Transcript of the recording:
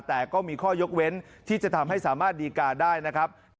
แต่ก็มีข้อยกเว้นที่จะทำให้สามารถดีการได้นะครับ